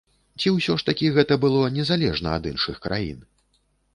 Ці ўсё ж такі гэта было незалежна ад іншых краін?